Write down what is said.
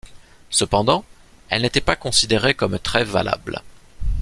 Cependant, elle n'était pas considérée comme très valable.